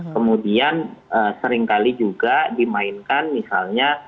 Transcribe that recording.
kemudian seringkali juga dimainkan misalnya